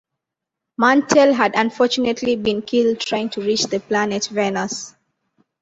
Mantell had unfortunately been killed trying to reach the planet Venus.